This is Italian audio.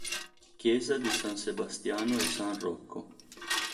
Chiesa di San Sebastiano e San Rocco